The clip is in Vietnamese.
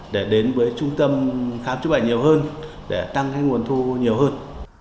để đến với trung tâm khám chữa bệnh nhiều hơn để tăng nguồn thu nhiều hơn